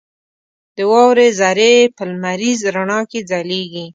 • د واورې ذرې په لمریز رڼا کې ځلېږي.